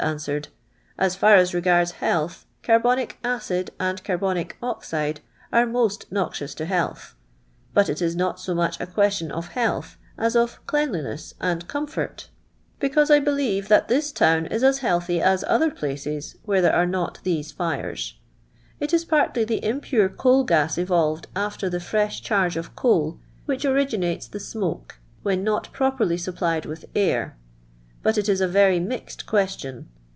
vereJ, " A* tar ;u re^'irds hodth, c.irbonic acid and c.ir.)0:iic oxide ar .> most n ixini4 to health; b.it it i< n )t k> inuL ':i a iiii .'stion of h«M!t!i as of ciea'ilm "ss and C'».nfirt, bec:iii?e I LONDON LABOUR AXD THE LONDON POOR, 341 believe that this town is as healthy as other places where there are not these fires. " It is partly the impure coal gas evolved after the fresh charge of cn:il wliich originates the smokes, when not properly supplied with air ; but it is a very mixed question.